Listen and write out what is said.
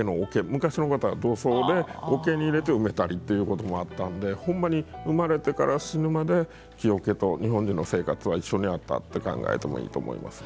昔の方は土葬で桶に入れて埋めたりということもあったんでほんまに生まれてから死ぬまで木桶と日本人の生活は一緒にあったって考えてもいいと思いますね。